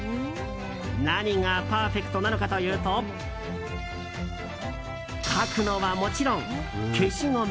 何がパーフェクトなのかというと書くのはもちろん、消しゴム